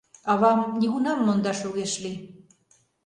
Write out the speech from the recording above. Авам нигунам мондаш огеш лий.